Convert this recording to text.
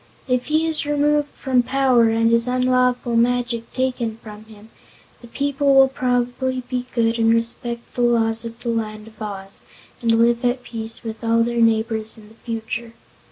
"If he is removed from power and his unlawful magic taken from him, the people will probably be good and respect the laws of the Land of Oz, and live at peace with all their neighbors in the future."